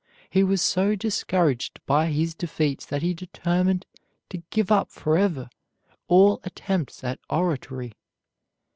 He was so discouraged by his defeats that he determined to give up forever all attempts at oratory.